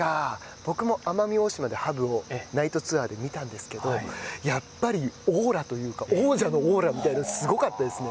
僕も奄美大島でハブをナイトツアーで見たんですけどやっぱり、オーラというか王者のオーラみたいなものがすごかったですね。